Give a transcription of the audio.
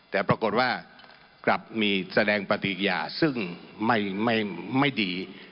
แต่ปรากฏว่ากลับมีแสดงปฏิกิยาซึ่งไม่ดี